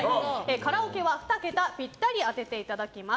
カラオケは２桁ぴったり当てていただきます。